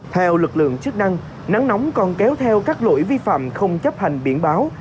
theo lực lượng chức năng nắng nóng còn kéo theo các lỗi vi phạm không chấp hành biển báo